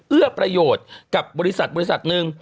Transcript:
เอื้อประโยชน์กับบริษัทหนึ่ง